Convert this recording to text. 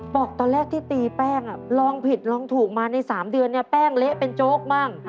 บอกตอนแรกที่ตีแป้งลองผิดลองถูกมาใน๓เดือนเนี่ยแป้งเละเป็นโจ๊กมั่ง